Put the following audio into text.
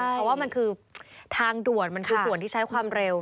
เพราะว่ามันคือทางด่วนมันคือส่วนที่ใช้ความเร็ว